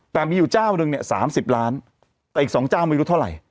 แต่มีอยู่เจ้านึงเนี่ย๓๐ล้านแต่อีก๒เจ้าไม่รู้เท่าไหร่